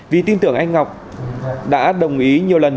vì tin tưởng anh ngọc đã đồng ý nhiều lần